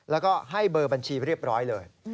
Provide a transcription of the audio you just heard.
แล้วก็ให้เบอร์บัญชีเรียบร้อยเลย